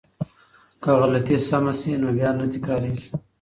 که غلطی سمه شي نو بیا نه تکراریږي.